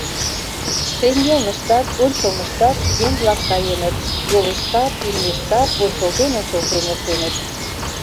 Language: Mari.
Шеҥгелныштат, ончылныштат еҥ-влак каеныт, йолешкат, имнешкат ончылтен-ончылтен эртеныт.